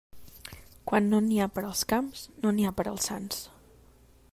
Quan no n'hi ha per als camps, no n'hi ha per als sants.